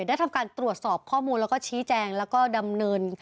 ได้ทำการตรวจสอบข้อมูลแล้วก็ชี้แจงแล้วก็ดำเนิน